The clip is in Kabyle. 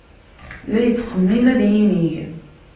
La yettxemmim ad yinig.